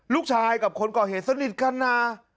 ลูกชายกับคนก่อเหตุสนิทกันนะ